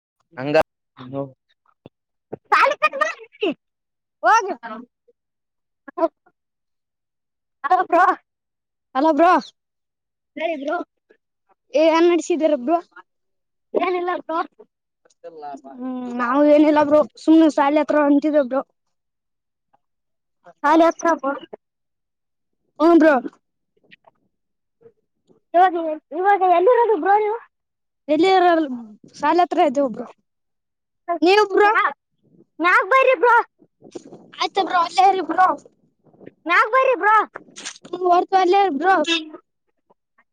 [unintelligible] [unintelligible] [unintelligible] Hello bro ಹೇಳಿ bro ಏನ್ ನಡ್ಸಿದೀರಾ ಬ್ರೋ ಏನಿಲ್ಲ ಬ್ರೋ ಲಾಭ [unintelligible] ನಾವು ಏನಿಲ್ಲಬ್ರು ಸುಮ್ನೆ ಶಾಲಿ ಹತ್ರ ಹೊಂಂತಿದಬ್ರು [unintelligible] ಹೂ ಬ್ರೋ [unintelligible] ಇವಾಗ ಎಲ್ಲಿ ಇರೋದು ಬ್ರೋ ನೀವು ಎಲ್ಲಿ ಬ್ರೋ ಶಾಲೆ ಹತ್ರ ಇದ್ವಿ ಬ್ರೋ ನೀವು ಬ್ರೋ ಮ್ಯಾಗ್ ಬರ್ರಿ ಬ್ರೋ ಆಯ್ತ ಬ್ರೋ ಅಲ್ಲೇ ಬ್ರೋ ಮ್ಯಾಗ್ ಬರ್ರಿ ಬ್ರೋ [unintelligible] ಬ್ರೋ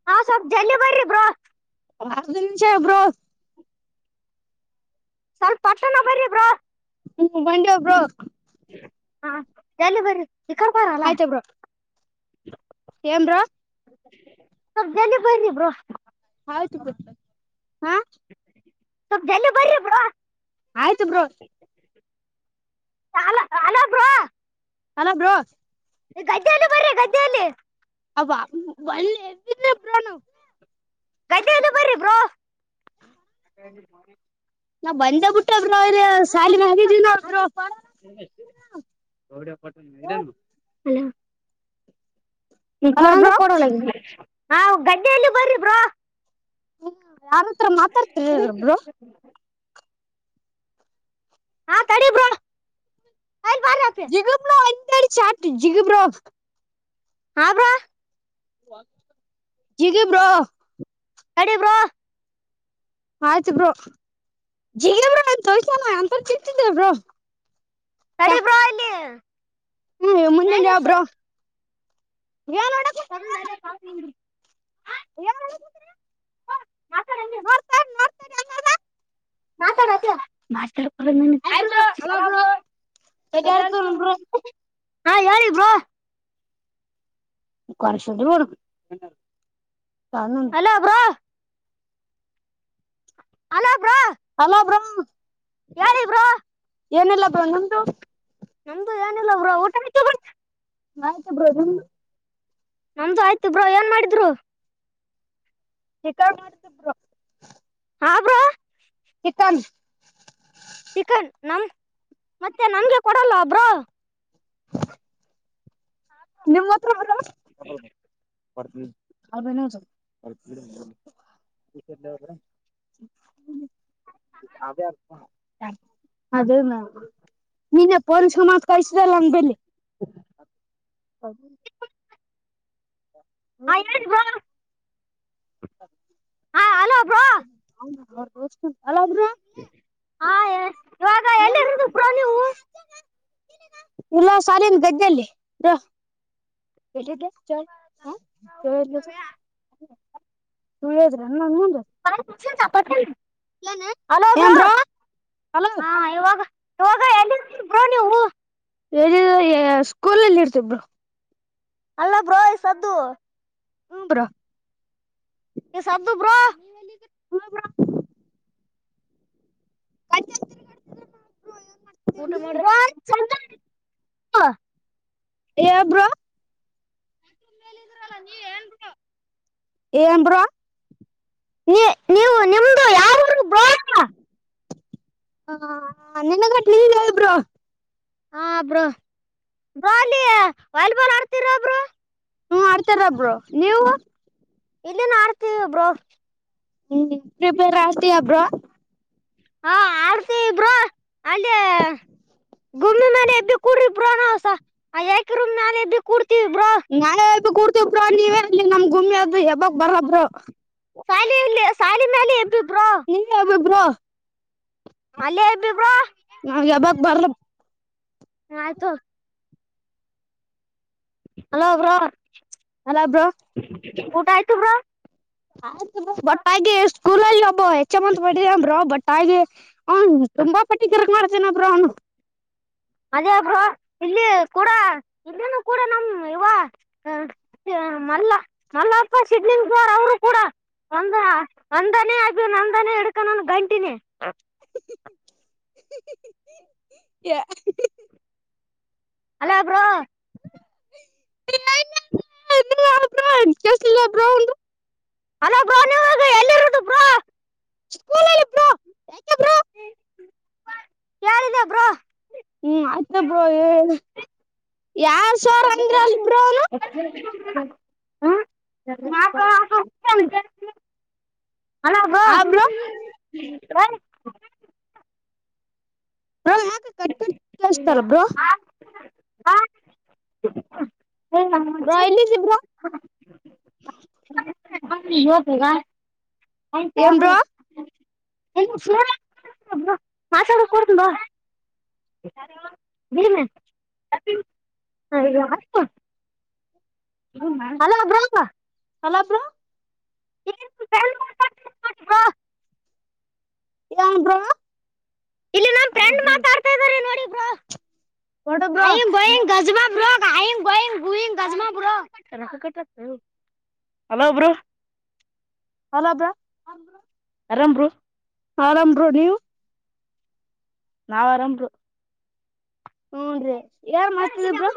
ಹಾ ಸ್ವಲ್ಪ ಜಲ್ಲಿ ಬರಿ ಬ್ರೋ ನಿಮಷ ಬ್ರೋ ಸ್ವಲ್ಪ ಪಟ್ಟಣ ಬರೀ ಬ್ರೋ ಹ್ಮ್ ಬಂದಿ ಬ್ರೋ ಹಾ ಎಲ್ಲ ಬರ್ರರಿ ಆಯ್ತ ಬ್ರೋ ಏನ್ ಬ್ರೋ ಸ್ವಲ್ಪ ಜಲ್ದಿ ಬನ್ನಿ ಬ್ರೋ ಅಯ್ತು ಬ್ರೋ ಸ್ವಲ್ಪ ಜಲ್ದಿ ಬನ್ನಿ ಬ್ರೋ ಆಯ್ತು ಬ್ರೋ ಹಲ ಅಲೋ ಹಲೋ ಬ್ರೋ ಗದ್ದೆೆಯಲ್ಲಿ ಬರ್ರಿ ಗದ್ದೆಯಲ್ಲಿ ಅವ ಒ [unintelligible] ಬ್ರನು [unintelligible] ಗಜೆದು ಬರಿ ಬೋ ಹ ನಾವ್ ಬಂದ ಬಿಟ್ಟ್ರ ಬ್ರೋ ಾಿ ಮಗಗೆ ಜನ ಬರ [unintelligible] ಹೊೌಡ ಪಟ್ಟನ್ ನರನು [unintelligible] ಅಲ ಅಲ್ಲ ಕೊಡು ಅಂದ್ರೆ ಬ್ರೋ ಕೊಡಲ ಇವ ಹಾ ಗಡ್ಡೆಯಲ್ಲಿ ಬರಿ ಬ್ರೋ ಯಾರತ್ರ ಮಾತಾಡ್ತಿರೊಬ್ರು ಹಾ ತಡಿ ಬ್ರೊ [unintelligible] ಜಿಗಿ ಬ್ರೋ. ಹ್ಹಾ ಬ್ರೋ. ಜಿಗಿ ಬ್ರೋ. ತಡಿ ಬ್ರೋ. ಆಯ್ತ ಬ್ರೋ. ಕಡಿ ಬ್ರಾ ಇಲ್ಲಿ ಹ್ಮ್ ಮುಂದಿನ ಮ್ಯಾಗ ಯಬರು ಯಾನ ಕಲ್ಲ [unintelligible] ಯಾರು ಮಾತಾಡ್ ಹಂಗೆ. ಅನ್ನೋದ ಮಾತಾಡ್ ಅಂಗೇ ಹಾಯ್ ಬ್ರೋ ಹಬ ಹಲೋ ಬ್ರೋ ಅ ಎಡ್ಯಾಡ್ತು ಬ್ರೋ [unintelligible] ಹಾ ಹೇಳಿ ಬ್ರೋ ಕೇಶ್ದ ಬಬೇಕ [unintelligible] hello bro. Hello bro. Hello bro. ಹೇಳಿ ಬ್ರೋ. ಏನೀಲ್ಲ ಬ್ರೋ ನಿಮ್ದು. ನಮ್ದು ಏನಿಲ್ಲ ಊಟ ಆಯ್ತಾ ಬ್ರೋ. ಆಯ್ತು ಬ್ರೋ ನಿಮ್ದು. ನಮ್ದು ಆಯ್ತ ಬ್ರೋ ಏನ್ ಮಾಡಿದ್ರು. ಚಿಕನ್ ಮಾಡಿದ್ರು. ಹಾ ಬ್ರೋ. ಚಿಕನ್. ಚಿಕನ್ ನಮ ಮತ್ತೆ ನಂಗೆ ಕೊಡಲ್ವಾ ಬ್ರೋ. ನಿಮ್ಮ. [unintelligible] [unintelligible] [inaudible] ಆಯ್ತಾ ಬ್ರೋ. [inaudible] ಹಾ ಹಲೋ ಬ್ರೋ [inaudible] ಹಲೋ ಬ್ರೋ. ಹ್ಹಾ ಹೇಳ್. ಎಲ್ಲ ಸಲಿಂಡ್ ಗದ್ದಿಲ್ಲಿ. [unintelligible] [unintelligible] [unintelligible] ಏನ್ ಬ್ರೋ ಹಲೋ. ಹ ಎ್ರ ನೀವು. ಸ್ಕೂಲ್ಲ್ಲಿ ಇರ್ತಬ್ರು ಅಲ್ಲ ಬ್ರೋಯ ಸದ್ದು ಕುಂಬ್ರ ಸಾದುು ಬ್ರಾ [inaudible] ಊಟ ಮಾಡಿದ್ರ. ಏ ಬ್ರೋ. ಟ್ರ್ಯಾಕ್ಟರ್ ಮೇಲೆ ಇದಿರಲ್ಲ ನೀವೇ ಏನ್ ಬ್ರೋ. ಏನ್ ಬ್ರೋ. ನೀ ನೀವು ನಿಮ್ದ ಯಾವ ಊರೂ ಬ್ರೋ. [unintelligible] ಹ ಬ್ರೋ ಅಲ್ಲಿ ವಾಲಿಬಾಲ್ ಆಡ್ತೀರ ಬ್ರೋ. ಹ್ಮ ಆಡ್ತೀವಿ ಬ್ರೋ ನೀವು. ಇಲ್ಲಿನ್ ಆಡ್ತೀವಿ ಬ್ರೋ. ಹ್ಹ್ಹ್ ಫ್ರೀ ಫೈರ್ ಆಡ್ತೀಯ ಬ್ರೋ. ಹಾ ಆಡ್ತಿ ಸಹೋದರ ಅಲ್ಲಿ ಗೂಮ್ಮಿ ಮಲೆ ಎಬ ಕೂಡ ಸ ಯಾಕೆ್ ನಾನ ಕೂಡ್ತೀವಿ ಬ್ರೋ ನಾೆ ಕೂಡ್ತ್ರ ನೀವೇಲ್ಲಿ ನಮ್ ಗುಮಿ ಅದ ಯಾವಾಗ ಬರದರು ಶಾಲೆಯಲ್ಲಿ ಸಾಲಿನ ಮಾಲ ಎದ್ದಿದ್ರು ನೀ ಅಬಬ್ರಾ ಅಲ್ಲೇ ಎಬಬ್ರಾ ಯಾವಾಗ ಬರ್ಲ ಹ ಆಯ್ತ ಹಲೋರಾ ಅಲ್ಲ ಬ್ರೋ ಊಟ ಆ್ತು ಬ್ರಾ ಆಯ್ತ ಬಟ್ಟಾಗಿ ಸ್ಕೂಲಲ್ಲಿ ಒಬ್ಬ ಹೆಚ್ಚ ಮಂದತ್ ಮಾಡಟ್ಟಿದಂಬ್ರ ಬಟ್ಟಾಗಿ ಹ ತುಂಬಾ ಪಟ್ಟಿ ತರಕ್ ಮಾಡ್ತೇನಾದ್ರ ಅವನು ಅದೇಬ್ರ ಇಲ್ಲಿ ಕೂಡ ಇ ಕೂಡ ನಮ ಇವ ಮಲ್ಲ ಮಲ್ಲಪ್ಪ ಸಡ್ಲಿಂಾರ್ ಅವರು ಕೂಡ ಒಂದ ಒಂದನೇ ಅ ನಂದನೇ ಹಿಡ್ಕನ ಗಂಟಿನಿ ಎ ಅಲ ಬ್ರೋ ಬ್ರೌ ಅಲೋ ಬ ನೀ ಎಲ್ಲಿರದುಪ್ಪಾ ಸ್ಕೂಲಲ್ಲಿ ಬ್ರೋ ಯಾಕೆ ಬ್ರೋ ಬ್ರೋ ಹ್ಮ್ ಅತ್ತಬ ಯಾರ ಹ ಹಲಾವ ಆ ಬ್ರೋ ಹ್ಮ ಯಾಕ ಕಟ್ ಕಸ್ತಾರಬ್ರೋ ಹಾ ಬ್ರೋ ಎಲ್ಲಿದೀ ಬ್ರೋ [inaudible] ಹಾಕ್ರಿ ಇವತಿಗ. ಆಯ್ತಾ. ಏನ್ ಬ್ರೋ ಮಾಸ ಕೊಡ್ತಂಬ ಬಿಡಮ ಹ ಅಲೋಬ್ರಮ್ಮ ಹಲಾಪರ ಯಟ ಇಲ್ಲಿ ನಮ್ ್ರೆಂಡ್ ಮಾತಾಡ್ತಾ ಇದ ನೋಡಿ ಹೊಡ ಬ್ರೋ ಬ ಗಜವಾ ಹೆಲೋ ಬ್ರೋ [unintelligible] ಹೆಲೋ ಬ್ರೋ ಆರಾಮ ಬ್ರೋ ಆರಾಮ ಬ್ರೋ ನೀವು. ನಾವ ಆರಾಮ ಬ್ರೋ. ಹೂನ್ರಿ ಯಾರ್ ಮಾಡ್ತಿದರ ಬ್ರೋ.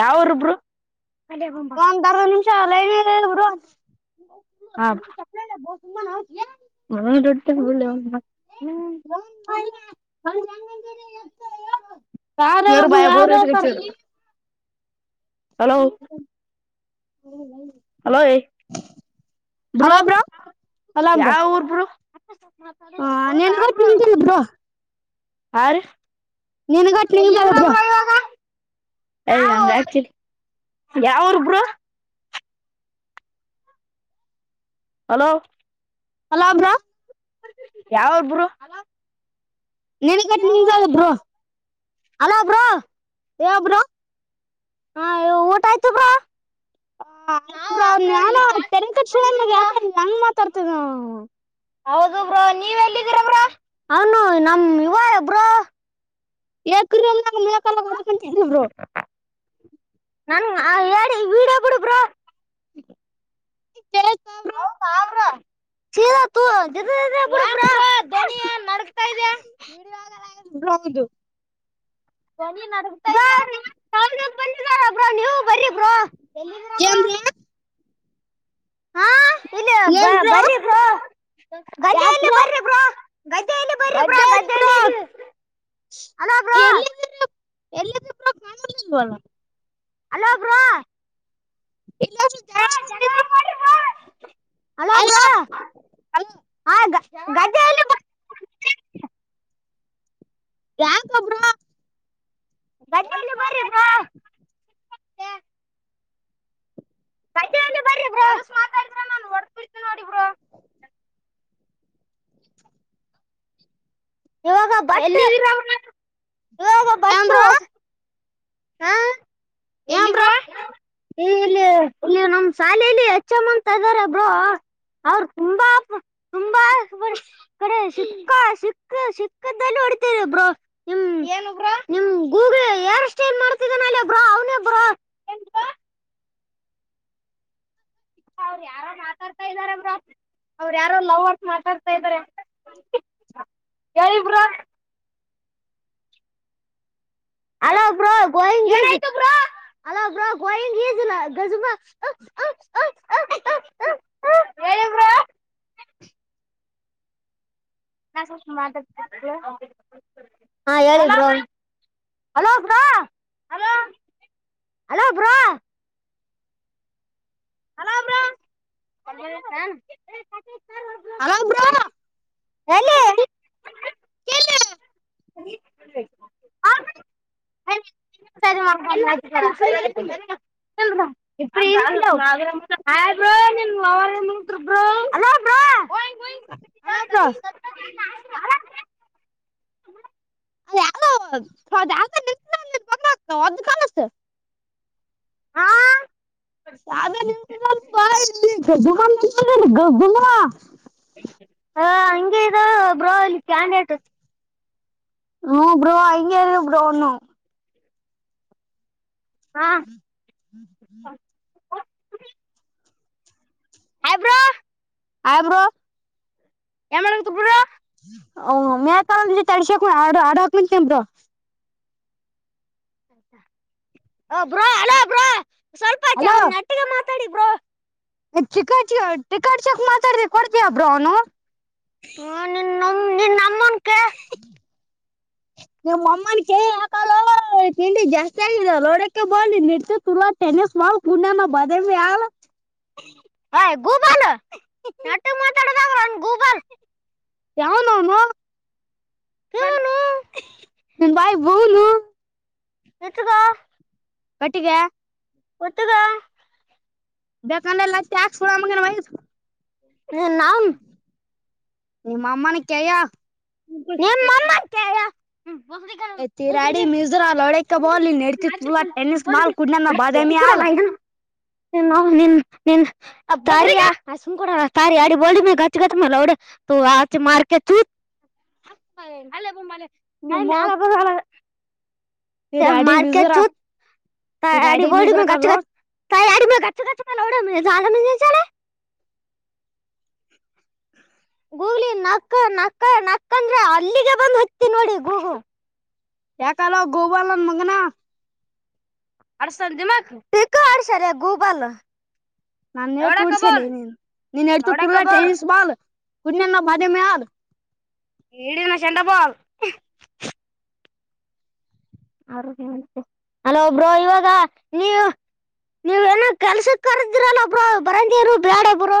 ಯಾವರುಬ್ರು. ಒಂದ ಅರ್ದ ನಿಮಿಷ. ಲೈನ್ ಇರಿ ಬ್ರೋ ಸುಮ್ಮುನ್ ಇರ್ತಿಯೆನ್ ಮಡ್ತ [unintelligible] ಅಜ [unintelligible] ಯಾರ ಹೇಳ ಇವ್ರು ಅಪ್ಪು ಬಾಯ ಬೋರ್ ಯಾರ್ ಹೇಳ್ತಾರ. ಇಟ್ಕೊಚಿದ್ರು ಹಲೋ ಹ [unintelligible] ಹಲೋ ಏಯ ಬ್ರೋ ಯಾವ ಊರ್ ಬ್ರೋ. ಹ ನಿನಗೂ ತಿಳಿದಿಲ್ಲ ಬ್ರೋ. ಹ ರಿ ನೀನಗ ಕ್ಲೀನ [unintelligible] ಹ ಯಾವರುಬ್ರು ಹಲೋ ಹಲೋ ಬ್ರೋ. ಯಾವು ಬ್ರೋ ನೆನ್ಗಟ್ಟ ನಿಂಗದ ಬ್ರೋ. ಹಲೋ ಬ್ರೋ ಹೇಳ ಬ್ರೋ. ಹಾ ಹೇಳ ಊಟ ಆಯ್ತು ಬ್ರೋ. ಆ ನಾವ್ಬ್ರೋ ಆಯ್ತಾನ ಇಲ್ಲಿ ತೆನ್ ಕ ಚಿ ಬಂದಿದೀವ್ರೋ ಯಾಕ ನಂಗ ಮಾತಾಡ್ತದ [unintelligible] ಹ್ಮ ಹೌದು ಬ್ರ ನೀವ್ ಎಲ್ಲಿದ್ದೀರಬ್ರಾ ಅವ್ನು ನಮ್ ಇವ. ಬ್ರೋ ಎಕರು [unintelligible] ರು [unintelligible] ನನ್ ಹ್ ಹೇಳಿ ವಿಡಿಯೋ ಬಿಡು ಬ್ರೋ ಲ [unintelligible] ಹೌದ್ರ ಚೀ [unintelligible] ಅವುಂದು ಬೆಳಿ ನುತ್ತಾ ಡ [unintelligible] ಬಬ್ ನೀವು ಬರೀ ಬ್ರೋ ಎಲ್ಲಂದ್ರಪ್ಪ ಏನ್ ಬ್ರೋ ಹಾ [unintelligible] ಇಲ್ಲ ಬ ಏನ್ ಬ್ರೋ ಬರಿ ಬ ಯಾಕ ಗದ್ದ ಬ್ರೋ ಬರಿ ಬ ಗದ್ದ ಬರ ಬ ಗಡ್ಡೆಯಲ್ಲಿ ಬ್ರೋ ಗದ್ದೆಯಲ್ಲಿ ಇ ಎಲ್ಲ ತ ಕಾಮ ಬ [unintelligible] ಹಲೋ ಬಾ ಇಲ್ಲಾದ್ರೂ ಜಾಗದಿಂದ ಇದ್ರು ಹಲೋ ಅಲ್ಲ ಬೋ ಅಲ್ಲ ಹ ಗ್ದ ಬ ಯ ಕಬರ ಗಂ [unintelligible] ಮ ಮಾತಾಡಿದ ನಾನ ಹೊ ನೋಡಿಬ್ರ ಡ [unintelligible] ಇವಾಗ ಬ [unintelligible] ಹದ ಏನ್ ಬಟ್ಟು ಬ್ರೋ [unintelligible] ಹಾ ಏನ್ ಎಲ್ಲಿವ್ರ ಬ್ರೋ ಇಲ್ಲಿ ಇಲ್ಲಿ ನಮ್ ಶಾಲಲಿ ಎಚ್ಮ್ಮ ಅಂತ ಇದಾರೆ ಬ್ರೋ ಅವರು ತುಂಬಾ ತುಂಬಾ ಕಡೆ ಸಿಕ್ಕ ಸಿಕ್ಕ ಸಿಕ್ಕ ಹೊತ ನಿಮ ಗೂಲ್ ಯ [unintelligible] ಮಾಡ್ತಿದ್ದ ನಬ ಅವನಬ [unintelligible] ಅವ್ರ ಯಾರೋ ಮಾತಾಡ್ತಾ ಇದಾರೆ ಬ್ರಾ ಅವ್ರ ಯಾರೋ ಲವರ್ಸ್ ಮಾತಾಡ್ತಾ ಇದಾರೆ ಹೇಳಿ ಬ್ರಾ [unintelligible] ಹಲೋಲೋ ಗಜ ಹೇಳ ಹ ಹೇಳೋ ಹಲೋ ಬ [unintelligible] ರಾಮ ರಾಮ [unintelligible] ಹಲೋ ಬ್ರೋ ಹೇಳ ಹೇಳ ಎಲ್ಲಿ [unintelligible] ಸಸ [unintelligible] ಅಲ್ಲಬ್ರಾ [unintelligible] ಅ ಕಸ [unintelligible] ಹಾ [unintelligible] ಡ. ಗುಂಗವಾ. ಹ ಹಂಗ ಬ್ರೋ ಕ್ಯಾನ್ಟ. ಹ್ಮ ಬ್ರೋ ಆಐ ಯಾರ. ಬ್ರೋನು. ಹಾ ಹ್ಮ್ ಹ್ಮ್ [unintelligible] ಹಬ್ರಾ [unintelligible] ಆಮರೋ [unintelligible] ಏನ್ ಮಾಡ ತು ಬಿ [unintelligible] ರಾ ಓ ಮ ಚ ಅಶೆ ಅ ಹ ಮಟ್ ನ್ರ ಬ್ರೋ ಅಲೋ ಬ್ರೋ [unintelligible] ಸ್ವಲ್ಪ ನತ್ರ ಎಡಿ ಬ್ರಾ. ಚಿಕಟ್ ಚಟಿಕಟ್ ಚೆಕ್ ಮಾತಾಡಬೇಕ ಕೊಡ್ತಯಬ್ರ ಅವನು. ಹ್ಮ ನಿ ನ ನಿನ್ ನಮ್ಮನ್ ಕ. ನಿಮ್ಮ್ ಅಮ್ಮನ್ ಕೇಳಿ ಹಾಕಲ್ಲ ತಿಂಡಿ ಜಾಸ್ತಿ ಆಗಿದೆೋಡಕ ಬಿ ನಿಡ್ಸ ಟೆನಿಸ್ ಮಾಲ್ ಪುಣ್ಯನ ಬದ ಆ. ಹಯ ಗೂಗಲ್ ನಟ ಮಾತಾಡ ಗೂಗಲ್. ಯಾವ ನಾನ ಇವನು ನನ್ ಬಾಯ್ ಬೂನು ಇತ್ತುಗ ಕಟ್ಟಿಗೆ ಒತ್ತುದ ಬೇಕಾನಲ್ಲತ ಆಗ ಸೋಡ ಮಗ ಮಾಹಿತ ನಿರ್ ನಾಮ ನಿ ಮಾಾಮಾ ನ ಕಯ ಾಮಾ ಕ ತಿರಾಡಿ ಮಜರಾ ಲಡೈಕ ಬಲ್ ನೆಡಕ ತು ೆನಿಸಸ್ ಮಾಲ್ ಕುಡ್ಣ ಬಾದಾಮಿ ಹಾಲ ನ್ಬ್ ದ ಸುಮ್ಕಡಾರಿ ಆಡಿ ಬೋ ಮ ಅಚ್ಚಗತ್ತ ಮಲ್ಲ ಅವಡ ಆ ಮಾರ್ಕೂ ಹ ಅಲ್ಲೇ ಬನೆ. ನಿಮ್ಮ ನಾನ್ಬ. ತಿರಾಡಿ ಮಾರ್ಕ ಮಿಸ್ರ ಚು ತಾ ಆಡಿ ತಿರಾಡಿ ಬೋಡಿ ಮಿಸ್ರ ಮ ಗ ಗ ಕಲ್ಲೋ ಅ ಗು ಗ ಗೂಲಿಿ ನಕ್ಕ ನಕ್ಕ ನಕ್ಕಂದ್ರೆ ಅಲ್ಲಿಗೆ ಬಂದು ಇತಿ ನೋಡಿ ಗೂಗು ಯ ಕಲಾವ ಗೋಬಾಲ ಮಗನಾ. ಅರ್ಸ ದಮಾ ಅಶ ಗೂಬಲ್. ನಾನರ್ಚ ನೀನ್ ನೀನ್ ಲವಡಕ ಎಡ್ತುರ್ಲ ಬೋಲ್ ಟೆನಿಸ್ ಬಾಲ್. ಕುುಡ ನ ಭಾಾಜೆ ಮ ಯಾರ. ಈಡಿನ ಚೆಂಡಪಲ್. ಆೋಗ್ಯ ಹಲೋ ಒಬರು ಇವಾಗ ನೀವು ನೀವೇನ ಕೆಲ್ಸಕ್ಕೆ ಕದಿರಲ್ಲ ಒಬ್ರ ಬರಂದಿರು ಬೇಡ ಒಬ್ರು.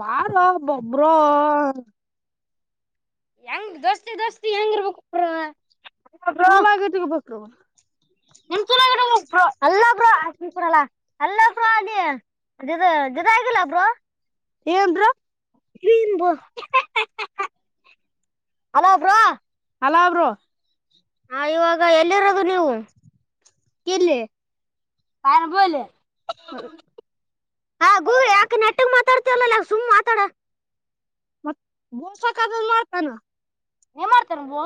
ಬಾರಬ್ಬ. ಬ್ರೋ. ಹೆಂಗ್ ದೋಸ್ತಿ ದೋಸ್ತಿ ಹೆಂಗ ಇರ್ಬೇಕು. ಮೂ ಲಾಗೆ ತಗ ಬ ಹ ನಿಮ ಚೆನ್ನಾಗಿ ಅಲ್ಲೊಬ್ರುಡಲ್ಲ ಅಲ್ಲೊಬ್ರು ಅದೇ ಅದದ. ಇದದ ಆಗಿಲ್ಲ ಬ್ರ. ಏನ್ರ. ು ಹಲೋ ಬಾ. ಹಲ ಬ್ರೋ. ಹ ಇವಾಗ ಎಲ್ಲಿರೋದು ನೀವು. ಕಲ್ಲ. ಕಣ ಬೋಲೆ. ಹ್ಮ. ಹಾ ಗೋ ಯಾಕೆ ನೆಟ್ಟಗ್ ಮಾತಾಡ್ತಿವಲ್ಲ ಸುಮ್ ಮಾತಾಡ. ಮತ್ ಬೋಸಕದಲ್ಲ ಆತಾನ. ಏನ್ ಮಾಡ್ತಾರ ಬೋ.